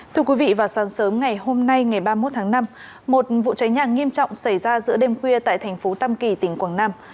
thưa quý vị vào sáng sớm ngày hôm nay ngày ba mươi một tháng năm một vụ cháy nhà nghiêm trọng xảy ra giữa đêm khuya tại thành phố tam kỳ tỉnh quảng nam